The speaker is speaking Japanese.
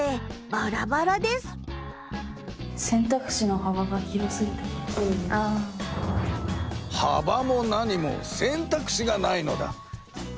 幅も何も選択肢がないのだ！